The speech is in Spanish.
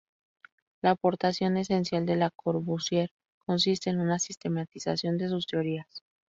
La aportación esencial de Le Corbusier consiste en una sistematización de sus teorías.